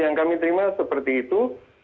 yang kami terima seperti itu